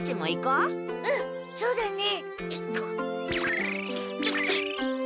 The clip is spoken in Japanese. うんそうだね。